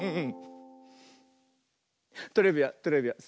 トレビアントレビアン。